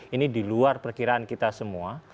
ini diluar perkiraan kita semua